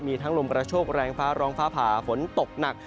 มีทั้งลมกระโชคแรงฟ้าร้องฟ้าผ่าฝนตกหนัก